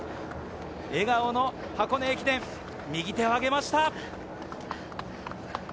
笑顔の箱根駅伝、右手を挙げました。